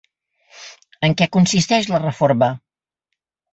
En què consisteix la reforma?